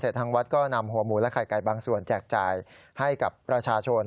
ทางวัดก็นำหัวหมูและไข่ไก่บางส่วนแจกจ่ายให้กับประชาชน